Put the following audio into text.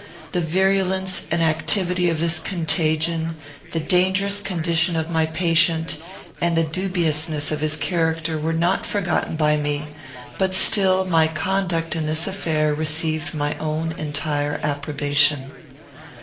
The virulence and activity of this contagion, the dangerous condition of my patient, and the dubiousness of his character, were not forgotten by me; but still my conduct in this affair received my own entire approbation.